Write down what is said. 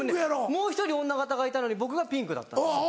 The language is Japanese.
もう１人女形がいたのに僕がピンクだったんですよ。